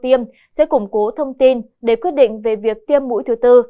tiêm sẽ củng cố thông tin để quyết định về việc tiêm mũi thứ tư